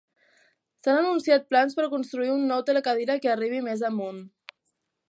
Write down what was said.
S'han anunciat plans per construir un nou telecadira que arribi més amunt.